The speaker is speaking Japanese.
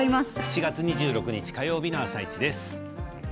７月２６日火曜日の「あさイチ」です。